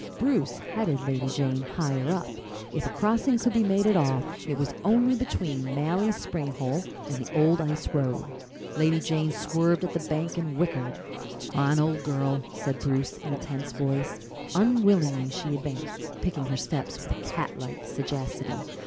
Bruce headed Lady Jane higher up. If a crossing could be made at all it was only between Malley's spring hole and the old ice road. Lady Jane swerved at the bank and whickered. "On, old girl," said Bruce, in a tense voice. Unwillingly she advanced, picking her steps with cat like sagacity.